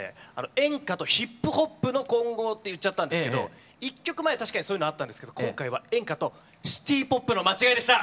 「演歌とヒップホップの混合」って言っちゃったんですけど１曲前は確かにそういうのあったんですけど今回は「演歌とシティポップ」の間違いでした。